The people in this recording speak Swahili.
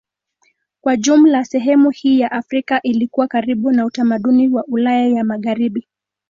Kwa jumla sehemu hii ya Afrika ilikuwa karibu na utamaduni wa Ulaya ya Magharibi.